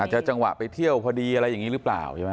จังหวะไปเที่ยวพอดีอะไรอย่างนี้หรือเปล่าใช่ไหม